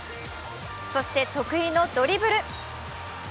そして得意のドリブル。